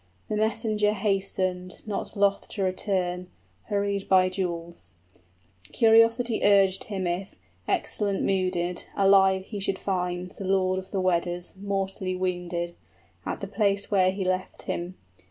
The messenger hastened, Not loth to return, hurried by jewels: Curiosity urged him if, excellent mooded, Alive he should find the lord of the Weders 35 Mortally wounded, at the place where he left him.